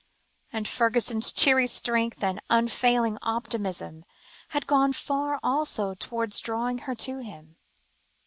And Fergusson's cheery strength and unfailing optimism, had gone far also towards drawing her to him.